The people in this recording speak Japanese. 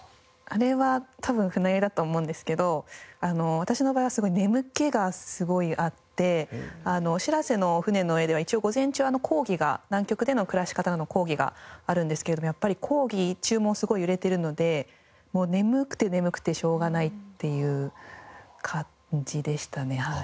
あれは多分船酔いだと思うんですけど私の場合は眠気がすごいあってしらせの船の上では一応午前中講義が南極での暮らし方の講義があるんですけれどもやっぱり講義中もすごい揺れてるのでもう眠くて眠くてしょうがないっていう感じでしたねはい。